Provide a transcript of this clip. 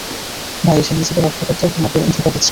ভাই, সে নিজেকে রক্ষা করতে তোমাকে ধোঁকা দিচ্ছে।